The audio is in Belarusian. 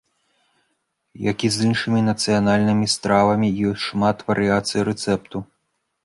Як і з іншымі нацыянальнымі стравамі, ёсць шмат варыяцый рэцэпту.